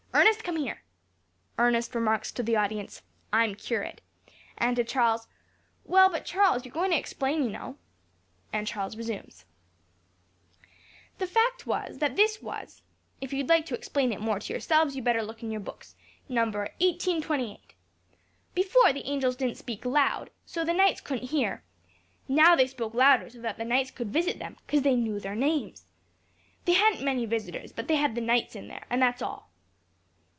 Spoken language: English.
Ernest, come here." (Ernest remarks to the audience, "I'm curate," and to Charles, "Well, but, Charles, you're going to explain, you know;" and Charles resumes.) "The fact was, that this was if you'd like to explain it more to yourselves, you'd better look in your books, No. 1828. Before, the angels didn't speak loud, so the knights couldn't hear; now they spoke louder, so that the knights could visit them, 'cause they knew their names. They hadn't many visitors, but they had the knights in there, and that's all."